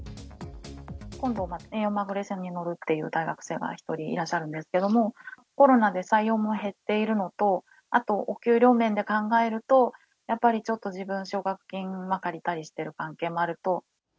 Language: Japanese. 今度、遠洋マグロ船に乗るっていう大学生が１人いらっしゃるんですけども、コロナで採用も減っているのと、あとお給料面で考えると、やっぱりちょっと自分、奨学金を借りたりしてる関係もあると。